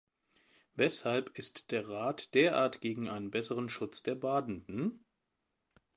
Weshalb ist der Rat derart gegen einen besseren Schutz der Badenden?